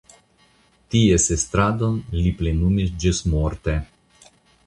Ties estradon li plenumis ĝismorte.